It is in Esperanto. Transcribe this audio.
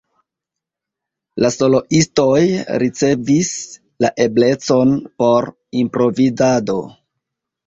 La soloistoj ricevis la eblecon por improvizado.